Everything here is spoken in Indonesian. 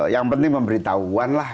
yang penting pemberitahuan lah